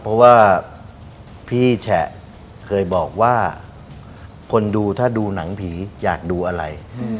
เพราะว่าพี่แฉะเคยบอกว่าคนดูถ้าดูหนังผีอยากดูอะไร